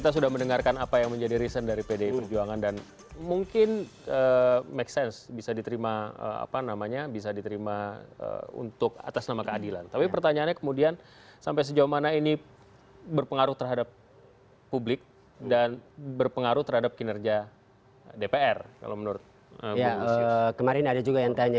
terhadap publik dan berpengaruh terhadap kinerja dpr kalau menurut ya kemarin ada juga yang tanya